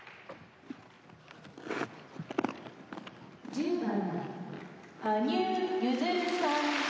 「１０番羽生結弦さん日本」